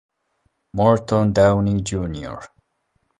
Morton Downey, Jr.